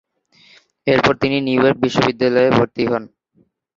এরপর তিনি New York বিশ্ববিদ্যালয়ে ভর্তি হন।